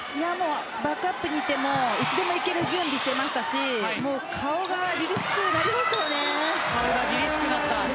バックにいてもいつでもいける準備をしていましたし顔がりりしくなりましたよね。